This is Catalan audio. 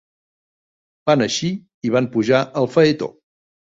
Van eixir i van pujar al faetó